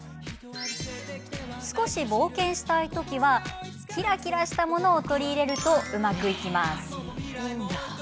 少し冒険したい時はキラキラしたものを取り入れるとうまくいきます。